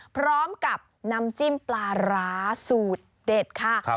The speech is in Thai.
พร้อมกับน้ำจิ้มปลาร้าสูตรเด็ดค่ะ